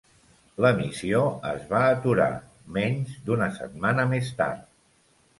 L'emissió es va aturar, menys d'una setmana més tard.